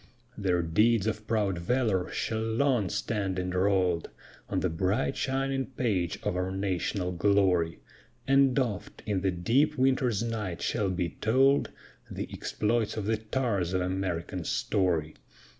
Their deeds of proud valor shall long stand enroll'd On the bright shining page of our national glory: And oft, in the deep winter's night, shall be told The exploits of the tars of American story.